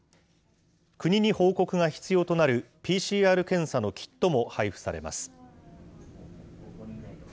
国に報告が必要となるＰＣＲ検査のキットも配布されます。